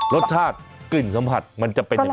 รสชาติกลิ่นสัมผัสมันจะเป็นยังไง